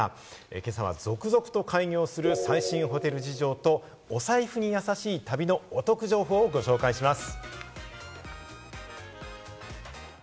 今朝は続々と開業する最新ホテル事情とお財布にやさしい旅のお得情報をご紹介します。